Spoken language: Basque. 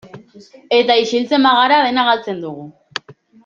Eta isiltzen bagara, dena galtzen dugu.